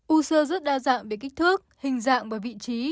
u xưa rất đa dạng về kích thước hình dạng và vị trí